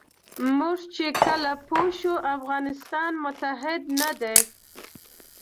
موږ چې کله پوه شو افغانستان متحد نه دی.